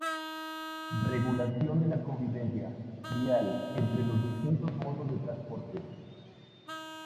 Regulación de la convivencia vial entre los distintos modos de transporte.